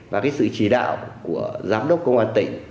và cái sự chỉ đạo của giám đốc công an tỉnh